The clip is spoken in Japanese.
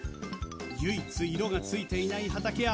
唯一色がついていない畠山。